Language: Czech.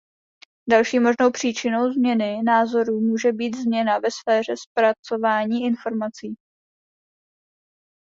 Další možnou příčinou změny názoru může být změna ve sféře zpracování informací.